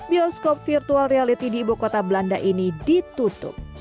bioskop virtual reality di ibu kota belanda ini ditutup